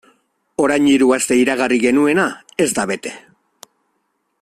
Orain hiru aste iragarri genuena ez da bete.